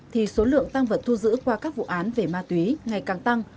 thì số lượng tăng vật thu giữ qua các vụ án về ma túy ngày càng tăng